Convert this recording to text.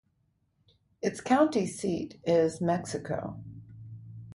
Its county seat is Mexico.